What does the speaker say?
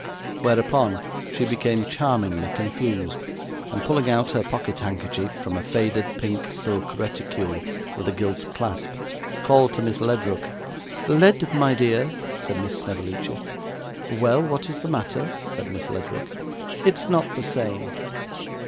Whereupon, she became charmingly confused, and, pulling out her pocket handkerchief from a faded pink silk reticule with a gilt clasp, called to Miss Ledrook 'Led, my dear,' said Miss Snevellicci. 'Well, what is the matter?' said Miss Ledrook. 'It's not the same.